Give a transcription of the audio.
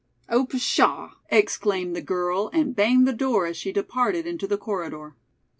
"Oh, pshaw!" exclaimed the girl and banged the door as she departed into the corridor.